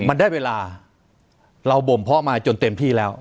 มันได้เวลาเราบ่มเพาะมาจนเต็มที่แล้ว